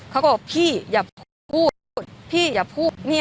หลากหลายรอดอย่างเดียว